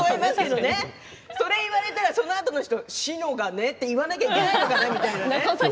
それ言われたらそのあとの人しのがねって言わないといけないような。